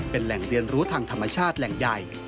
เป็นแหล่งเรียนรู้ทางธรรมชาติแหล่งใหญ่